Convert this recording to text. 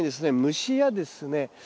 虫やですね